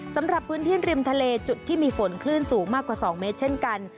สำหรับพื้นที่ริมทะเลจุดที่มีฝนคลื่นสูงมากกว่า๒เมตรเช่นกัน